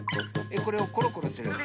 これをコロコロするの？